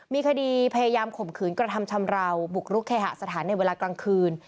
มีคดีพยายามข่มขืนกระทำชำราวบุกรุกเคหสถานในเวลากลางคืน